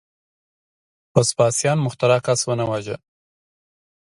وسپاسیان مخترع کس ونه واژه.